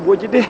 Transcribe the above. ibu aja deh